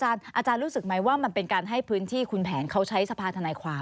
อาจารย์รู้สึกไหมว่ามันเป็นการให้พื้นที่คุณแผนเขาใช้สภาธนายความ